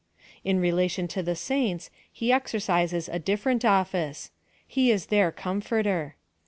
In relation to the saints, he exercises a different office. He is their Comforter.